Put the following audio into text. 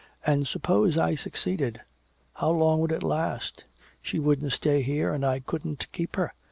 And suppose I succeeded, how long would it last? She wouldn't stay here and I couldn't keep her.